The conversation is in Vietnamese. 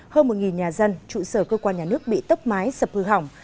hơn một nhà dân trụ sở cơ quan nhà nước bị tốc mái sập hư hỏng